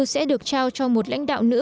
sẽ được trao cho một lãnh đạo nữ